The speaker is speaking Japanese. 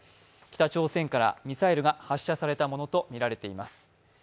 北朝鮮からミサイルが発射されたものとみられいます。